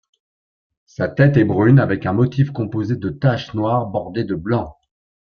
Sa tête est brune avec un motif composé de taches noires bordées de blanc.